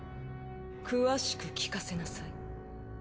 詳しく聞かせなさい。